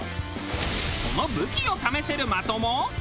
その武器を試せる的も。